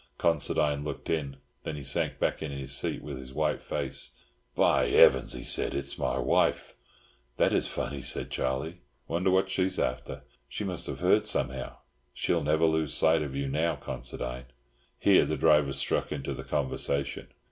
Considine looked in. Then he sank back in his seat, with a white face. "By Heavens!" he said, "it's my wife." "This is funny," said Charlie. "Wonder what she's after. She must have heard, somehow. She'll never lose sight of you, now, Considine." Here the driver struck into the conversation.